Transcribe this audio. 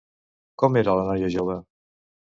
Com era la noia jove?